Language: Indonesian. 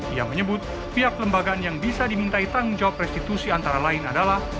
ia menyebut pihak lembagaan yang bisa dimintai tanggung jawab restitusi antara lain adalah